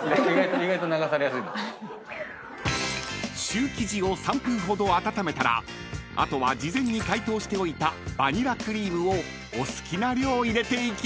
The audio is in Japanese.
［シュー生地を３分ほど温めたらあとは事前に解凍しておいたバニラクリームをお好きな量入れていきます］